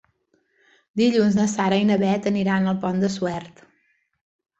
Dilluns na Sara i na Bet iran al Pont de Suert.